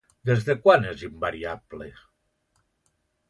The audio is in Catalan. Des de quan és invariable?